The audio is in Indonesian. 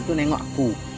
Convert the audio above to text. tuh nengok aku